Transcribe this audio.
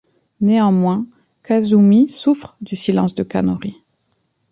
Néanmoins, Kazumi souffre du silence de Kanori.